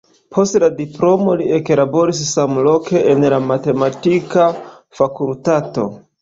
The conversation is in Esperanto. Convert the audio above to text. Post la diplomo li eklaboris samloke en la matematika fakultato.